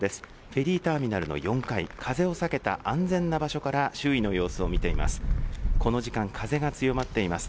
フェリーターミナルの４階、風を避けた安全な場所から、周囲の様子を見ています。